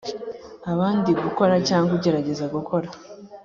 abandi gukora cyangwa ugerageza gukora